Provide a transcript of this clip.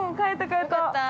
◆よかったー。